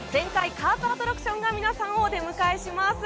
カートアトラクションが皆さんをお出迎えします。